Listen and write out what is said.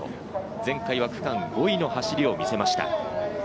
前回は区間５位の走りを見せました。